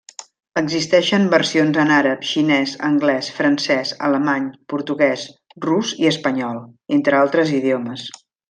Existeixen versions en àrab, xinès, anglès, francès, alemany, portuguès, rus i espanyol, entre altres idiomes.